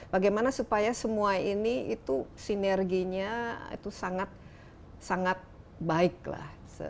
bagaimana supaya semua ini itu sinerginya itu sangat baik lah